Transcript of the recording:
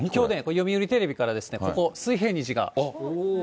読売テレビからここ、水平虹が。